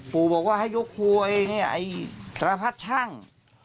ปูบอกว่าให้ยุกครัวไอ้นี่ไอ้สรรพชั่ง